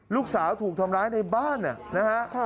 ลูกสาวถูกทำร้ายในบ้านนะฮะ